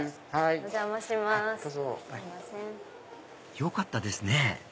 よかったですね